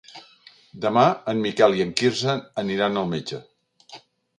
Demà en Miquel i en Quirze aniran al metge.